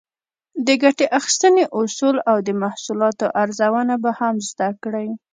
د ګټې اخیستنې اصول او د محصولاتو ارزونه به هم زده کړئ.